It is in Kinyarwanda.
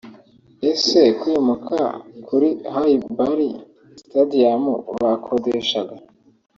Ese kwimuka kuri HighBury stadium bakodeshaga